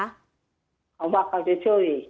เพราะว่าเขาจะช่วย